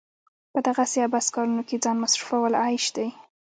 په دغسې عبث کارونو کې ځان مصرفول عيش دی.